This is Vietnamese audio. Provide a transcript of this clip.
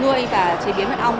nuôi và chế biến mật ong